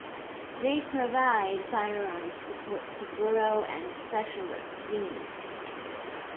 They provide firearms support to borough and specialist units.